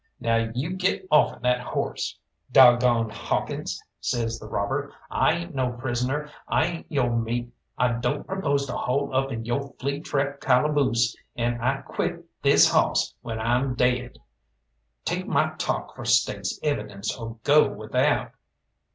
Now you get off'n that horse!" "Dog goned Hawkins," says the robber, "I ain't no prisoner, I ain't yo' meat, I don't propose to hole up in yo' flea trap calaboose, and I quit this hawss when I'm daid. Take my talk for State's evidence, or go without!"